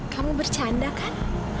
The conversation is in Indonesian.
kamu bercanda kan